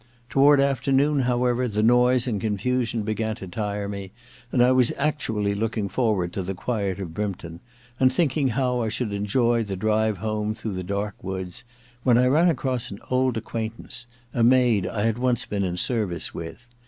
Toward after noon, however, the noise and confusion began to tire me, and I was actually looking forward to the quiet of Brympton, and thinking how I should enjoy the drive home through the dark woods, when I ran across an old acquaintance, a maid I had once been in service with.